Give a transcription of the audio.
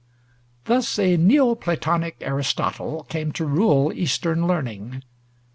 Thus a Neo Platonic Aristotle came to rule Eastern learning.